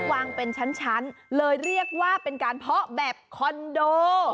วางเป็นชั้นเลยเรียกว่าเป็นการเพาะแบบคอนโด